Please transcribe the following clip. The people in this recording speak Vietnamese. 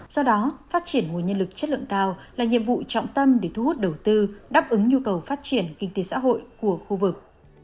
do đó phát triển nguồn nhân lực chất lượng cao là nhiệm vụ trọng tâm để thu hút đầu tư đáp ứng nhu cầu phát triển kinh tế xã hội của khu vực